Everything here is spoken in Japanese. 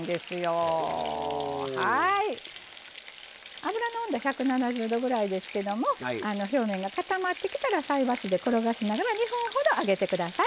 油の温度は１７０℃ぐらいですけども表面が固まってきたら菜箸で転がしながら２分ほど揚げて下さい。